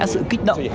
sự kích động